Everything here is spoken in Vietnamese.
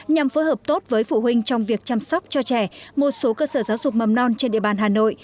nhằm phối hợp tốt với phụ huynh trong việc chăm sóc cho trẻ một số cơ sở giáo dục mầm non trên địa bàn hà nội